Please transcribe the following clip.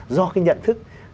do cái nhận thức